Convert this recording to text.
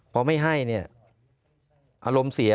พอไม่ให้เนี่ยอารมณ์เสีย